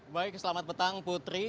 baik selamat petang putri